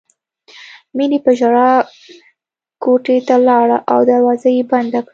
مینې په ژړا کوټې ته لاړه او دروازه یې بنده کړه